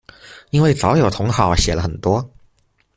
因為早有同好寫了很多